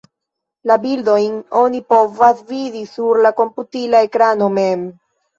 La bildojn oni povas vidi sur la komputila ekrano mem.